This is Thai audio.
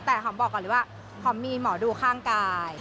แต่หอมบอกก่อนเลยว่าหอมมีหมอดูข้างกาย